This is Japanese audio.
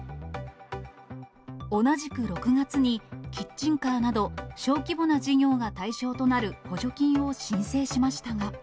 同じく６月にキッチンカーなど、小規模な事業が対象となる補助金を申請しましたが。